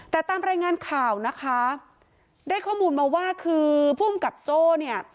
แต่ตามรายงานข่าวนะคะได้ข้อมูลมาว่าคือภูมิกับโจ้เนี่ย